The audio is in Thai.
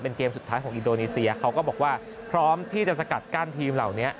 เกมสุดท้ายของอินโดนีเซียเขาก็บอกว่าพร้อมที่จะสกัดกั้นทีมเหล่านี้